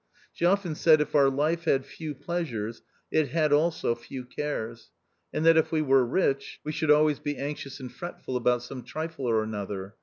She often said if our life had few pleasures it had also few cares : and that if we were rich we should always be anxious and fretful about some trifle or another.